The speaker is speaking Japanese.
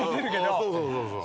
そうそうそうそう。